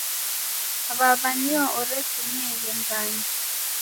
W'aw'a nio orefumieghe Mghange.